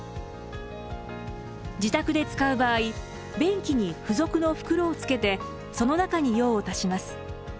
自宅で使う場合便器に付属の袋をつけてその中に用を足します。